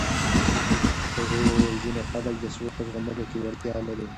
هغې وویل ځینې خلک د سړو په زغملو کې وړتیا لري.